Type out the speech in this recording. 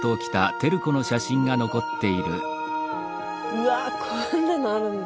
うわこんなのあるんだ。